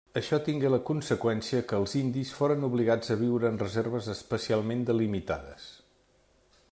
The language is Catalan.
Això tingué la conseqüència que els indis foren obligats a viure en reserves especialment delimitades.